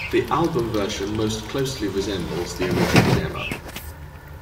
The album version most closely resembles the original demo.